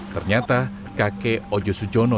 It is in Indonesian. ternyata kakek ojo sujono